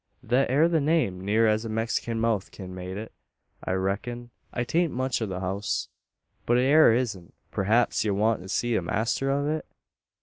"Thet air the name, near as a Mexikin mouth kin make it, I reck'n. 'Tain't much o' a house; but it air his'n. Preehaps ye want to see the master o't?"